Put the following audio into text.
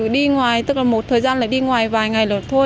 đi ngoài tức là một thời gian là đi ngoài vài ngày luật thôi